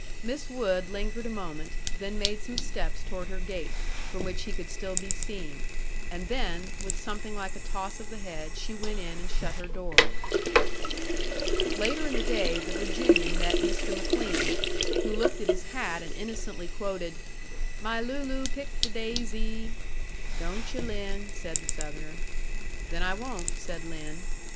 Miss Wood lingered a moment, then made some steps toward her gate, from which he could still be seen; and then, with something like a toss of the head, she went in and shut her door. Later in the day the Virginian met Mr. McLean, who looked at his hat and innocently quoted, "'My Looloo picked a daisy.'" "Don't yu', Lin," said the Southerner. "Then I won't," said Lin.